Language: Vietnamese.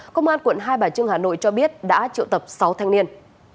công an quận hai bà trưng hà nội cho biết đã triệu tập sáu thanh niên